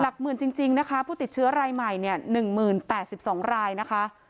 หลักหมื่นจริงจริงนะคะผู้ติดเชื้อรายใหม่เนี้ยหนึ่งหมื่นแปดสิบสองรายนะคะ